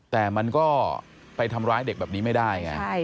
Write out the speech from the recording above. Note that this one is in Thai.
แต่มันก็ไปทำร้ายเด็กแบบนี้ไม่ได้ไง